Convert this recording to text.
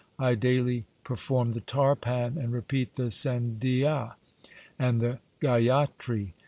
I daily perform the tarpan, 1 and repeat the sandhia 2 and the gayatri.